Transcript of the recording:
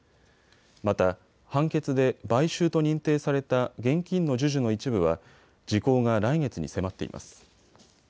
また、判決で買収と認定された現金の授受の一部は時効が来月に迫っています。